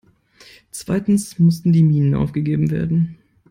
Zweitens mussten die Minen aufgegeben werden.